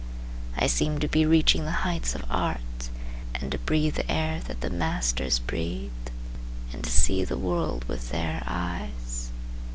I seemed to be reaching the heights of art And to breathe the air that the masters breathed And to see the world with their eyes.